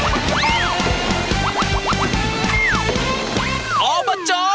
สวัสดีครับ